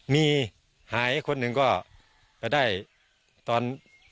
มีหายเค้าคนนึงก็ได้ตอน